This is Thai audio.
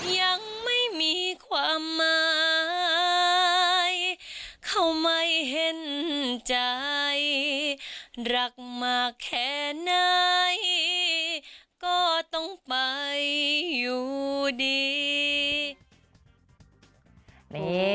ยังไม่มีความหมายเขาไม่เห็นใจรักมากแค่ไหนก็ต้องไปอยู่ดี